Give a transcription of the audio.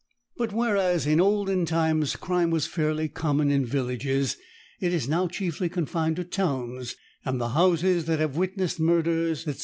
But whereas in olden times, crime was fairly common in villages, it is now chiefly confined to towns, and the houses that have witnessed murders, &c.